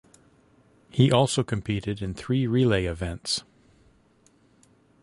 He also competed in three relay events.